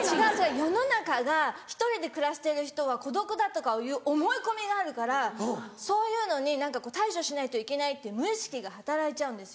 世の中が１人で暮らしてる人は孤独だとかいう思い込みがあるからそういうのに対処しないといけないっていう無意識が働いちゃうんですよ